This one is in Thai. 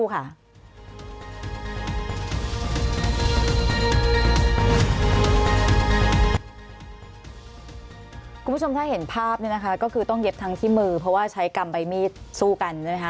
ถ้าพี่สงสัยจะเห็นภาพก็คือต้องเย็บทั้งที่มือเพราะว่าใช้กรรมไบมีสู้กันนะคะ